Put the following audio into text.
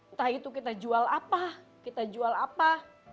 entah itu kita jual apa kita jual apa